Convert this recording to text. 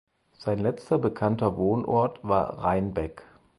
Sein letzter bekannter Wohnort war Reinbek.